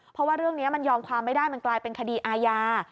เพราะว่าเรื่องนี้มันยอมความไม่ได้มันกลายเป็นคดีอาญา